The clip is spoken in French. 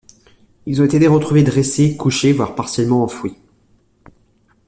Ils ont été retrouvés dressés, couchés, voire partiellement enfouis.